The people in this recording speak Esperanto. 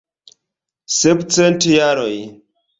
Sepcent jaroj!